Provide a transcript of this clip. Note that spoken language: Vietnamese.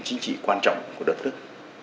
chính trị quan trọng của đất nước